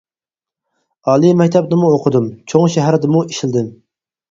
ئالىي مەكتەپنىمۇ ئوقۇدۇم، چوڭ شەھەردىمۇ ئىشلىدىم.